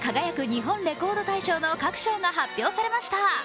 日本レコード大賞」の各賞が発表されました。